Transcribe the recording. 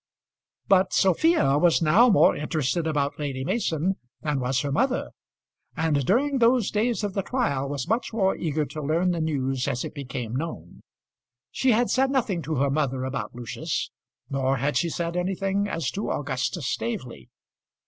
But Sophia was now more interested about Lady Mason than was her mother, and during those days of the trial was much more eager to learn the news as it became known. She had said nothing to her mother about Lucius, nor had she said anything as to Augustus Staveley.